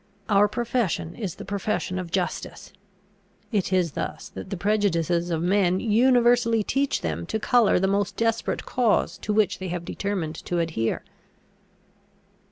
Our profession is the profession of justice." [It is thus that the prejudices of men universally teach them to colour the most desperate cause to which they have determined to adhere.